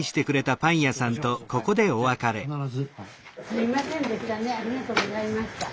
すいませんでしたねありがとうございました。